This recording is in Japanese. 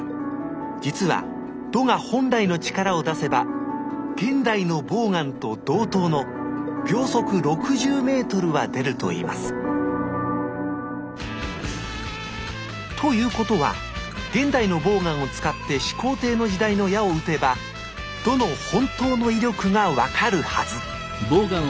実は弩が本来の力を出せば現代のボウガンと同等の秒速６０ｍは出るといいますということは現代のボウガンを使って始皇帝の時代の矢をうてば弩の本当の威力が分かるはず！